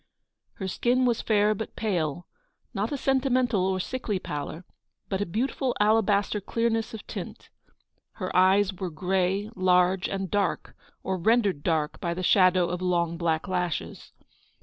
Her skin was fair but pale, — not a sentimental or sickly pallor, but a beautiful alabaster clear ness of tint. Her eyes were grey, large, and dark, or rendered dark by the shadow of long black lashes.